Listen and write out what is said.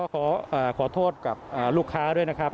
ขอโทษกับลูกค้าด้วยนะครับ